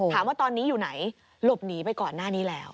ถามว่าตอนนี้อยู่ไหนหลบหนีไปก่อนหน้านี้แล้ว